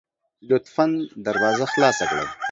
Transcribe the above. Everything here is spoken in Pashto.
لطفا دروازه خلاصه کړئ